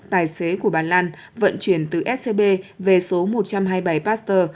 tài xế của bà lan vận chuyển từ scb về số một trăm hai mươi bảy pasteur